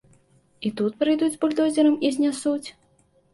І тут прыйдуць з бульдозерам і знясуць?!